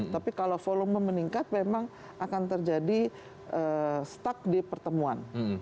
tapi kalau volume meningkat memang akan terjadi stuck di pertemuan